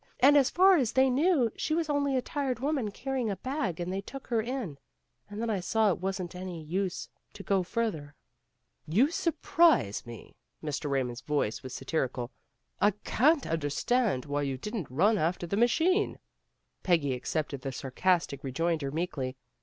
And as far as they knew she was only a tired woman carrying a bag and they took her in. And then I saw it wasn't any use to go further." A MISSING BRIDE 309 tt~ 'You surprise me." Mr. Raymond's voice was satirical. "I can't understand why you didn't run after the machine." Peggy accepted the sarcastic rejoinder meekly.